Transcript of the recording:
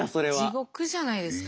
地獄じゃないですか。